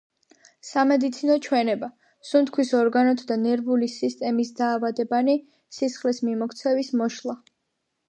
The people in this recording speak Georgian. სამედიცინო ჩვენება: სუნთქვის ორგანოთა და ნერვული სისტემის დაავადებანი, სისხლის მიმოქცევის მოშლა.